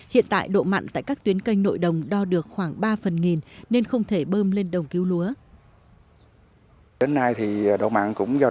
hiện tại độ mặn tại các tuyến canh nội đồng đo được khoảng ba phần nghìn nên không thể bơm lên đồng cứu lúa